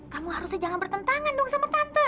kamu harusnya jangan bertentangan dong sama tante